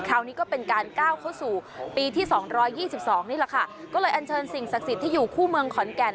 คราวนี้ก็เป็นการก้าวเข้าสู่ปีที่สองร้อยยี่สิบสองนี่แหละค่ะก็เลยอันเชิญสิ่งศักดิ์สิทธิ์ที่อยู่คู่เมืองขอนแก่น